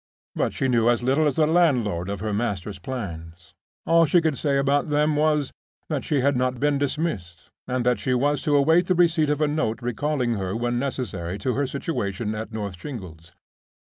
But she knew as little as the landlord of her master's plans. All she could say about them was, that she had not been dismissed, and that she was to await the receipt of a note recalling her when necessary to her situation at North Shingles.